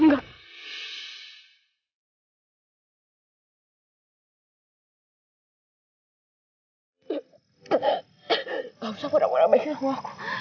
gak usah pura pura baikin sama aku